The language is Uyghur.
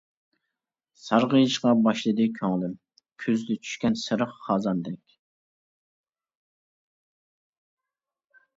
سارغىيىشقا باشلىدى كۆڭلۈم، كۈزدە چۈشكەن سېرىق خازاندەك.